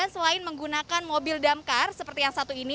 selain menggunakan mobil damkar seperti yang satu ini